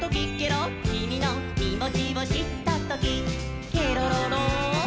「キミのきもちをしったときケロロロッ！」